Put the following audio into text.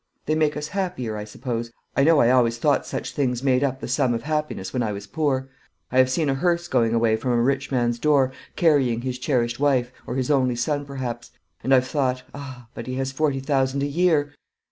they make us happier, I suppose. I know I always thought such things made up the sum of happiness when I was poor. I have seen a hearse going away from a rich man's door, carrying his cherished wife, or his only son, perhaps; and I've thought, 'Ah, but he has forty thousand a year!'